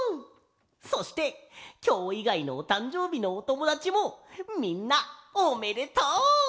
そしてきょういがいのおたんじょうびのおともだちもみんなおめでとう！